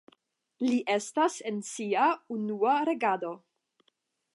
Li estas en sia unua regado.